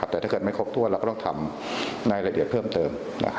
แต่ถ้าเกิดไม่ครบถ้วนเราก็ต้องทำในรายละเอียดเพิ่มเติม